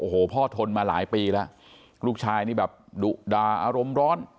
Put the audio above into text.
โอ้โหพ่อทนมาหลายปีแล้วลูกชายนี่แบบดุดาอารมณ์ร้อน